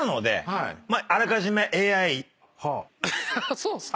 そうっすか。